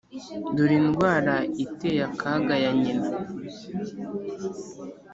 dore indwara iteye akaga ya nyina